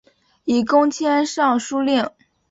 以功迁尚书令。